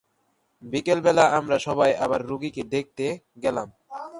বিকেলবেলা আমরা সবাই আবার রোগীকে দেখতে গেলাম।